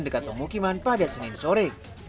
dekat pemukiman pada senin sore